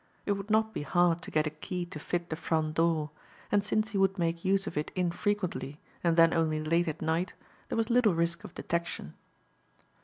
It would not be hard to get a key to fit the front door; and since he would make use of it infrequently and then only late at night there was little risk of detection.